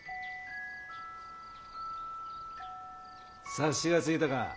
察しがついたか？